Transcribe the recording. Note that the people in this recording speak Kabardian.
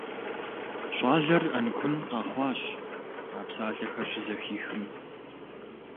ЩӀалэр Ӏэнкун къэхъуащ, а псалъэхэр щызэхихым.